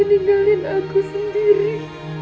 tinggalin aku sendiri